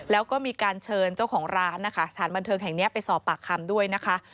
แล้วก็มีการเชิญเจ้าของร้านนะคะสถานบันเทิงแห่งนี้ไปสอบปากคำด้วยนะคะ